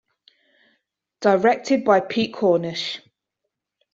Directed by Pete Cornish.